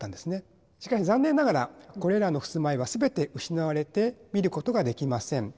しかし残念ながらこれらの襖絵は全て失われて見ることができません。